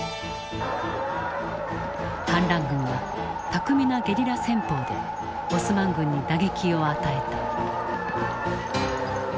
反乱軍は巧みなゲリラ戦法でオスマン軍に打撃を与えた。